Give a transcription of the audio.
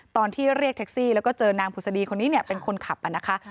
ตอนที่เรียกแท็กซี่แล้วก็เจอนางผุศดีคนนี้เป็นคนขับนะคะ